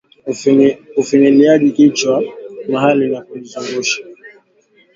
ufinyiliaji kichwa mahali na kujizungusha